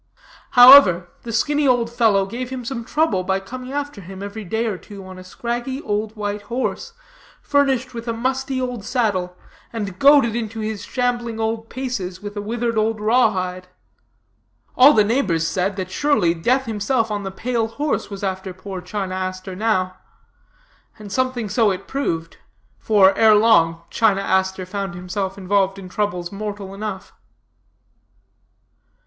However, the skinny old fellow gave him some trouble by coming after him every day or two on a scraggy old white horse, furnished with a musty old saddle, and goaded into his shambling old paces with a withered old raw hide. All the neighbors said that surely Death himself on the pale horse was after poor China Aster now. And something so it proved; for, ere long, China Aster found himself involved in troubles mortal enough.